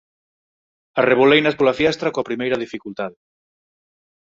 Arreboleinas pola fiestra coa primeira dificultade.